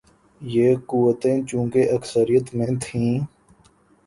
یہ قوتیں چونکہ اکثریت میں تھیں۔